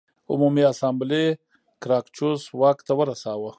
عمومي اسامبلې ګراکچوس واک ته ورساوه